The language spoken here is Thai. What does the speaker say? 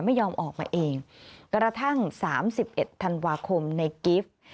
ไม่ยอมออกมาเองกระทั่ง๓๑ธันวาคมในกิฟต์